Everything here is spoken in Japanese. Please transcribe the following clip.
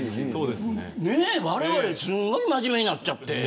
われわれすごい真面目になっちゃって。